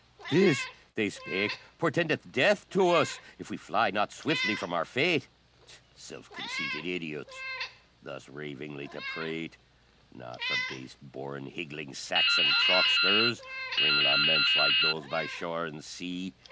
"This," they spake, "portendeth death to us, If we fly not swiftly from our fate!" Self conceited idiots! thus Ravingly to prate! Not for base born higgling Saxon trucksters Ring laments like those by shore and sea!